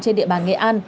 trên địa bàn nghệ an